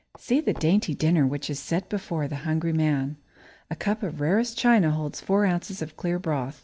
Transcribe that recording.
See the dainty dinner which is set before the hungry man. A cup of rarest china holds four ounces of clear broth.